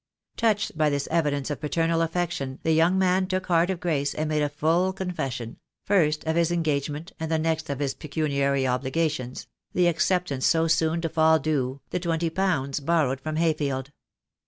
Touched by this evidence of paternal affection the young man took heart of grace and made a full confession — first of his engage ment, and next of his pecuniary obligations — the accept ance so soon to fall due, the twenty pounds borrowed from Hayfield.